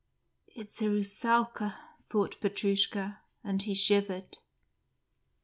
"It's a Russalka," thought Petrushka, and he shivered.